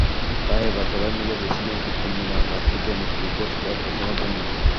তাই, এবার সবাই মিলে বেছে নিয়েছে পূর্ণিমার রাতটিকে, মুক্তিযুদ্ধের গল্প শোনার জন্য।